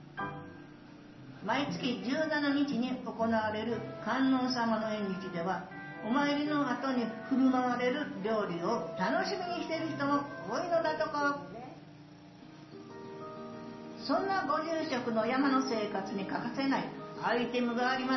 毎月１７日に行われる観音様の縁日ではお参りのあとに振る舞われる料理を楽しみにしている人も多いのだとかそんなご住職の山の生活に欠かせないアイテムがあります。